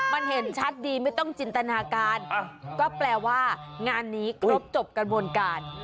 มันเห็นชัดดีไม่ต้องจินตนาการก็แปลว่างานนี้ครบจบกระบวนการ